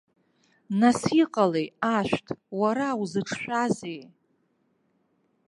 Нас, иҟалеи, ашәҭ, уара узыҿшәазеи?